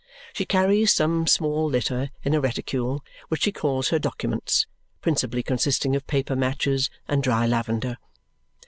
She carries some small litter in a reticule which she calls her documents, principally consisting of paper matches and dry lavender.